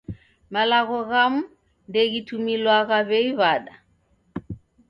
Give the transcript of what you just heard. Malagho ghamu ndeghitumilwagha w'ei w'ada.